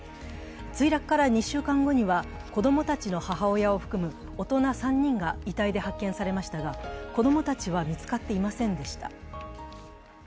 墜落から２週間後には子供たちの母親を含む大人３人が遺体で発見されましたが子供たちは見つかっていませんでした。